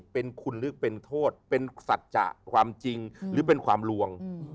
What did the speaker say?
เป็นคุณหรือเป็นโทษเป็นสัจจะความจริงหรือเป็นความลวง